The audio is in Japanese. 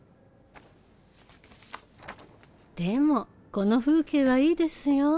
でもこの風景はいいですよ。